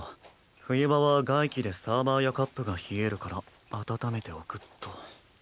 冬場は外気でサーバーやカップが冷えるから温めておくと。